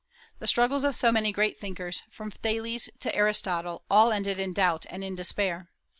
The struggles of so many great thinkers, from Thales to Aristotle, all ended in doubt and in despair.